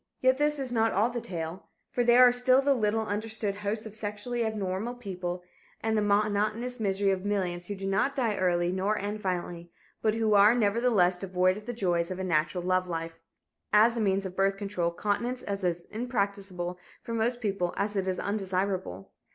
Yet this is not all the tale, for there are still the little understood hosts of sexually abnormal people and the monotonous misery of millions who do not die early nor end violently, but who are, nevertheless, devoid of the joys of a natural love life. As a means of birth control, continence is as impracticable for most people as it is undesirable.